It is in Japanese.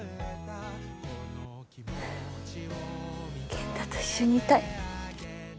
健太と一緒にいたい。